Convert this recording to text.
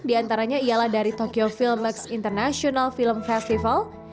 diantaranya ialah dari tokyo film ex international film festival